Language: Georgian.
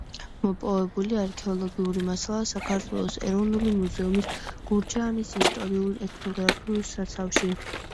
მოპოვებული არქეოლოგიური მასალა საქართველოს ეროვნული მუზეუმის გურჯაანის ისტორიულ-ეთნოგრაფიულ საცავში.